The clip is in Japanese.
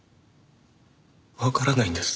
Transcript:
わからないんです。